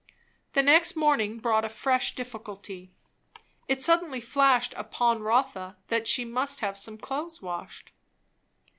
The next morning brought a fresh difficulty. It suddenly flashed upon Rotha that she must have some clothes washed.